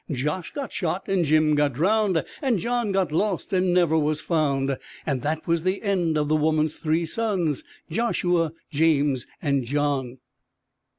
Josh got shot, and Jim got drowned, And John got lost and never was found, And that was the end of the woman's three sons, Joshua, James and John_.